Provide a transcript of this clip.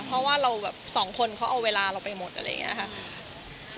เพราะว่าเราแบบสองคนเขาเอาเวลาเราไปหมดอะไรอย่างนี้ค่ะ